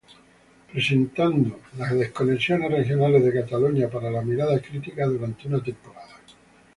Presentando las desconexiones regionales de Cataluña para la Mirada Crítica durante una temporada.